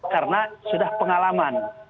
karena sudah pengalaman